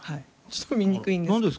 ちょっと見にくいんですけど。